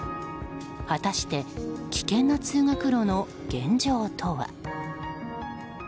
果たして危険な通学路の現状とは。